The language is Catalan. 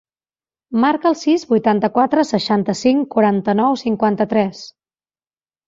Marca el sis, vuitanta-quatre, seixanta-cinc, quaranta-nou, cinquanta-tres.